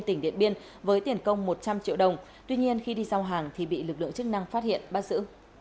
tỉnh điện biên với tiền công một trăm linh triệu đồng tuy nhiên khi đi giao hàng thì bị lực lượng chức năng phát hiện bắt giữ